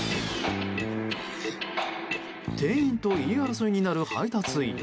店員と言い争いになる配達員。